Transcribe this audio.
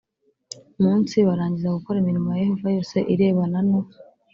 munsi barangiza gukora imirimo ya Yehova yose irebana no